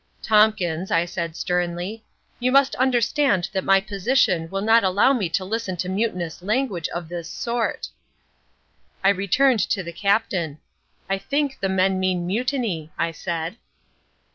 "Tompkins," I said sternly, "you must understand that my position will not allow me to listen to mutinous language of this sort." I returned to the Captain. "I think the men mean mutiny," I said.